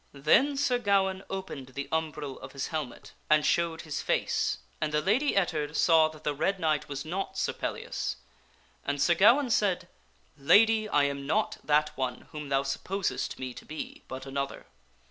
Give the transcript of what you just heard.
" Then Sir Gawaine opened the umbril of his helmet and showed his SIR GAWAINE SPEAKS TO THE LADY ETTARD 259 face, and the Lady Ettard saw that the Red Knight was not Sir Pellias. And Sir Gawaine said, " Lady, I am not that one whom thou supposest me to be, but another.